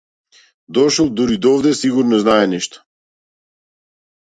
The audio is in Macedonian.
Дошол дури до овде сигурно знае нешто.